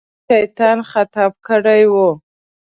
احمد شيطان خطا کړی وو.